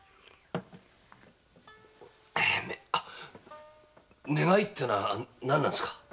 願いってのは何なんですか？